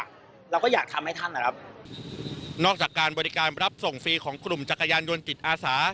เราก็อยากทำให้ท่านนะครับนอกจากการบริการรับส่งฟรีของกลุ่มจักรยานยนต์จิตอาสา